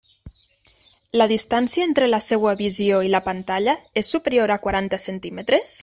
La distància entre la seua visió i la pantalla és superior a quaranta centímetres?